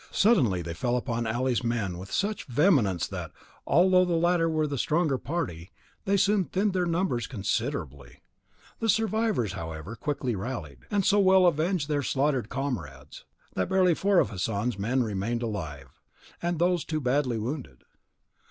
Suddenly they fell upon Ali's men with such vehemence that, although the latter were the stronger party, they soon thinned their numbers considerably; the survivors, however, quickly rallied, and so well avenged their slaughtered comrades, that barely four of Hassan's men remained alive, and those too badly wounded.